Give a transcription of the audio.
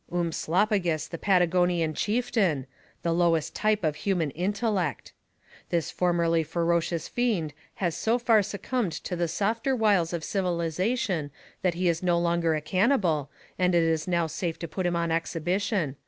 Umslopogus The Patagonian Chieftain The lowest type of human intellect This formerly ferocious fiend has so far succumbed to the softer wiles of civilization that he is no longer a cannibal, and it is now safe to put him on exhibition.